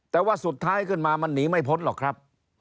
แต่ว่าสุดท้ายขึ้นมามันหนีไม่พ้นหรอกครับ